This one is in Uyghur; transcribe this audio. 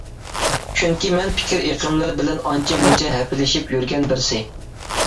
چۈنكى مەن پىكىر ئېقىملىرى بىلەن ئانچە-مۇنچە ھەپىلىشىپ يۈرگەن بىرسى.